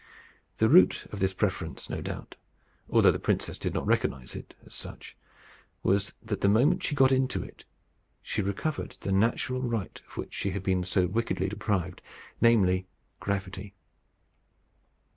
The root of this preference no doubt, although the princess did not recognize it as such, was, that the moment she got into it, she recovered the natural right of which she had been so wickedly deprived namely, gravity.